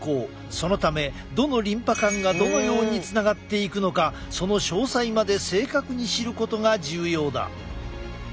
そのためどのリンパ管がどのようにつながっていくのかその詳細まで正確に知ることが重要だ。